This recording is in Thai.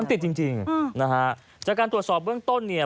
ติดจริงจริงอืมนะฮะจากการตรวจสอบเบื้องต้นเนี่ย